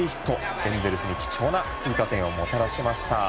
エンゼルスに貴重な追加点をもたらしました。